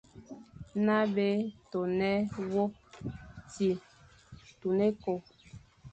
Nabé, tôné, wôp, tsṽi, tun ékô,